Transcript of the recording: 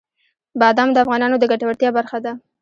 بادام د افغانانو د ګټورتیا برخه ده.